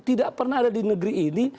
tidak pernah ada di negeri ini